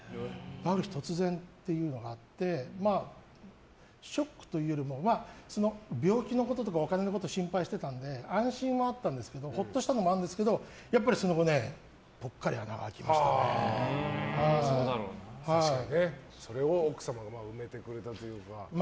ある日突然っていうのがあってショックというよりも病気のこととかお金のことを心配していたので安心はあったんですけどほっとしたのもあるんですけどやっぱりその後、ぽっかりそれを奥様が埋めてくれたというか。